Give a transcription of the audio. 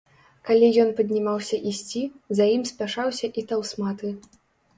Калі ён паднімаўся ісці, за ім спяшаўся і таўсматы.